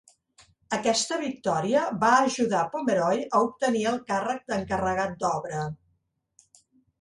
Aquesta victòria va ajudar a Pomeroy a obtenir el càrrec d'encarregat d'obra.